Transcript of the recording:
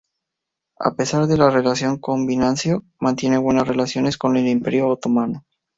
A pesar de la relación con Bizancio, mantiene buenas relaciones con el Imperio otomano.